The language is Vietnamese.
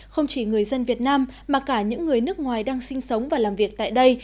không chỉ người dân việt nam mà cả những người nước ngoài đang sinh sống và làm việc tại đây